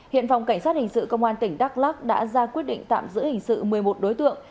hiện phòng cảnh sát hình sự công an tỉnh đắk lắc đã ra quyết định tạm giữ hình sự một mươi một đối tượng